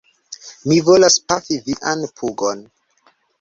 Mi volas pafi vian pugon!